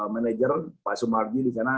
manajer pak sumarji disana